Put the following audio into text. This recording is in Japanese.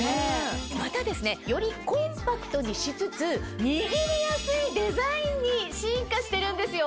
またよりコンパクトにしつつ握りやすいデザインに進化してるんですよ。